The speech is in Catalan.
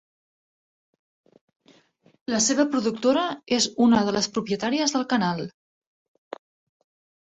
La seva productora és una de les propietàries del canal.